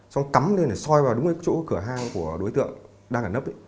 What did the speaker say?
xong cắm lên để soi vào đúng chỗ cửa hàng của đối tượng đang ở nấp